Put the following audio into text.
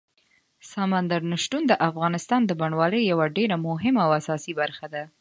سمندر نه شتون د افغانستان د بڼوالۍ یوه ډېره مهمه او اساسي برخه ده.